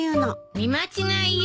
見間違いよ。